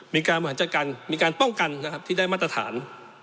มีการบริหารจัดการมีการป้องกันนะครับที่ได้มาตรฐาน